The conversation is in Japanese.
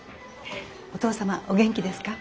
お父様お元気ですか？